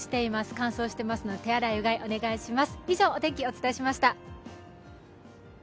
乾燥していますので手洗い、うがいお願いします。